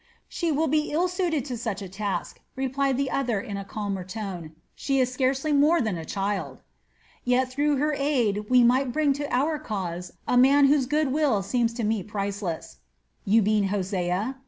"She would be ill suited to such a task," replied the other in a calmer tone, "she is scarcely more than a child." "Yet through her aid we might bring to our cause a man whose good will seems to me priceless." "You mean Hosea?"